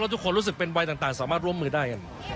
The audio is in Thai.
ทุกคนรู้สึกเป็นวัยต่างสามารถร่วมมือได้กัน